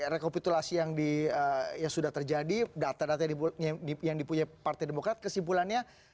rekapitulasi yang sudah terjadi data data yang dipunya partai demokrat kesimpulannya